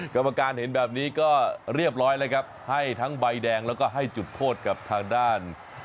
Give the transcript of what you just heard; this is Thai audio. กรรมการเห็นแบบนี้ก็เรียบร้อยแล้วครับให้ทั้งใบแดงแล้วก็ให้จุดโทษกับทางด้าน